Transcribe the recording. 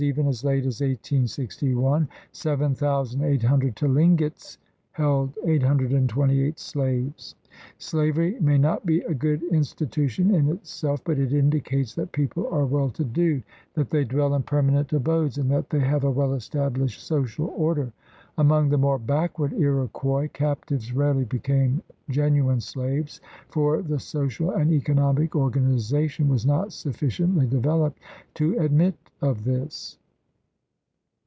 Even as late as 1861, 7800 Tlingits held 828 slaves. Slavery may not be a good institution in itseK, but it indicates that people are well to do, that they dwell in permanent abodes, and that they have a well established social order. Among the more backward Iroquois, captives rarely became genuine slaves, for the social and economic organi zation was not sufficiently developed to admit of this.